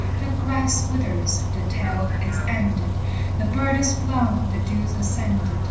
The grass withers, the tale is ended, The bird is flown, the dew's ascended.